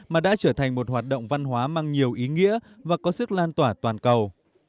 mà đã trở thành một hoạt động văn hóa mang nhiều ý nghĩa và có sức lan tỏa toàn cầu